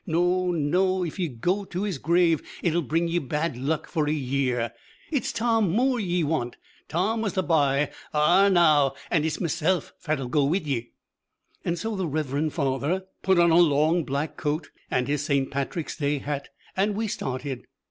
No, no; if ye go to his grave it'll bring ye bad luck for a year. It's Tom Moore ye want Tom was the bye. Arrah! now, and it's meself phat'll go wid ye." And so the reverend father put on a long, black coat and his Saint Patrick's Day hat, and we started.